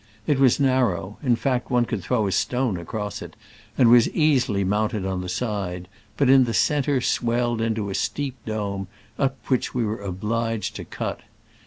It was narrow — in fact, one could throw a stone across it — w^' and was easily mpunted on the ' side, but in the centre swell ed into a steep dome, up which we were obliged to cut.